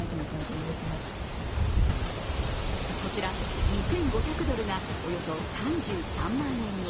こちら２５００ドルがおよそ３３万円に。